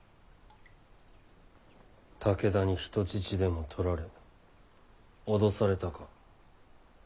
武田に人質でも取られ脅されたか？